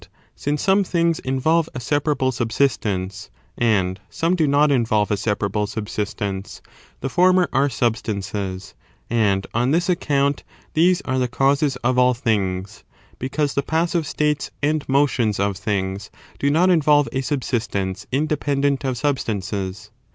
snbrtnieet ^^^ sinco some things involTe a separable ^ the vrincipies subsistence, and some do not involve a sepa ^'' rable subsistence, the former are substances; and on this account these are the causes of all things, because the passive states and motions of things do not involve a subsiistence independent of substances.